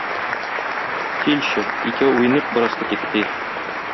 Килче икәү уйныйк бераз кети-кети.